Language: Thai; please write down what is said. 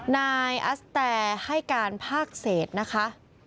นายอัสแตให้การภาคเศษนะคะ